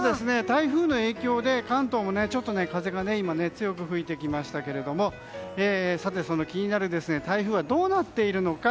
台風の影響で関東もちょっと風が強く吹いてきましたけどさて、その気になる台風はどうなっているのか。